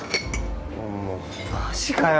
もうマジかよ！